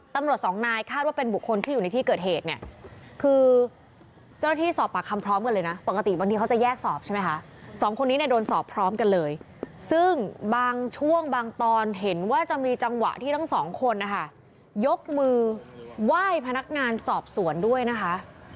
ตำรวจสองนายคาดว่าเป็นบุคคลที่อยู่ในที่เกิดเหตุเนี่ยคือเจ้าหน้าที่สอบปากคำพร้อมกันเลยนะปกติบางทีเขาจะแยกสอบใช่ไหมคะสองคนนี้เนี่ยโดนสอบพร้อมกันเลยซึ่งบางช่วงบางตอนเห็นว่าจะมีจังหวะที่ทั้งสองคนนะคะยกมือไหว้พนักงานสอบสวนด้วยนะคะ